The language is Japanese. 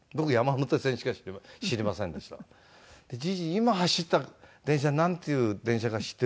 今走った電車なんていう電車か知ってる？」